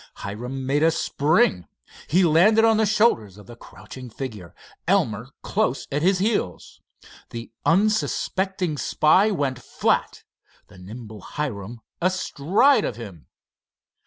Hiram made a spring. He landed on the shoulders of the crouching figure, Elmer close at his heels. The unsuspecting spy went flat, the nimble Hiram astride of him.